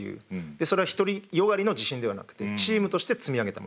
それは独り善がりの自信ではなくてチームとして積み上げたもの。